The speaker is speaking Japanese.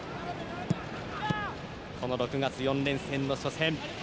この６月４連戦の初戦。